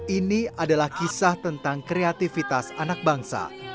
ini adalah kisah tentang kreativitas anak bangsa